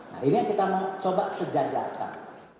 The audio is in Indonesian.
nah ini yang kita mau coba sejajarkan